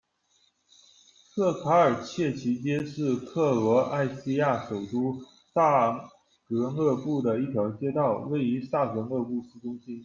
特卡尔契奇街是克罗埃西亚首都萨格勒布的一条街道，位于萨格勒布市中心。